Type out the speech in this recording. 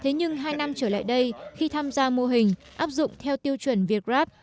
thế nhưng hai năm trở lại đây khi tham gia mô hình áp dụng theo tiêu chuẩn việt grab